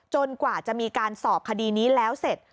กว่าจะมีการสอบคดีนี้แล้วเสร็จ